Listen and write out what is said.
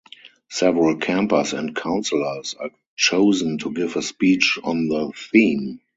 Several campers and counselors are chosen to give a speech on the theme.